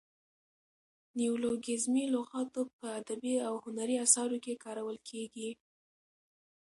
نیولوګیزمي لغاتونه په ادبي او هنري اثارو کښي کارول کیږي.